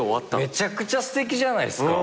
めちゃくちゃすてきじゃないですか。